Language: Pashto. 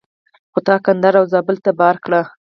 خو تا کندهار او زابل ته بار کړه.